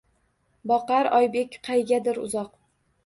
Boqar Oybek qaygadir uzoq.